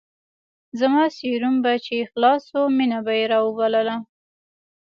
زما سيروم به چې خلاص سو مينه به يې راوبلله.